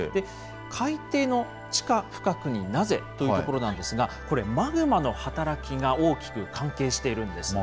海底の地下深くになぜというところなんですが、これ、マグマの働きが大きく関係しているんです。